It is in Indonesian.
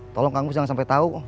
tolong kang gue jangan sampai tau